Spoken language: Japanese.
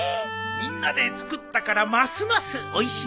みんなで作ったからますますおいしいのう！